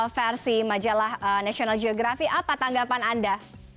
versi majalah national geografi apa tanggapan anda